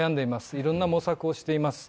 いろんな模索をしています。